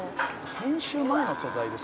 「編集前の素材ですよ」